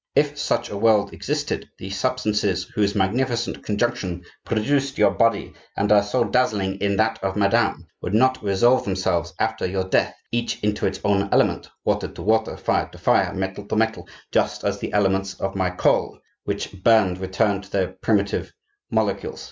If such a world existed, the substances whose magnificent conjunction produced your body, and are so dazzling in that of Madame, would not resolve themselves after your death each into its own element, water to water, fire to fire, metal to metal, just as the elements of my coal, when burned, return to their primitive molecules.